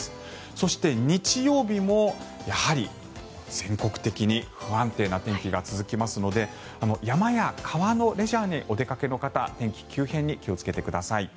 そして、日曜日もやはり全国的に不安定な天気が続きますので山や川のレジャーにお出かけの方天気急変に気をつけてください。